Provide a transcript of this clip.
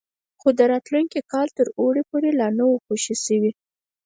خو د راتلونکي کال تر اوړي پورې لا نه وو خوشي شوي.